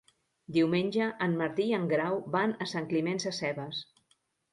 Diumenge en Martí i en Grau van a Sant Climent Sescebes.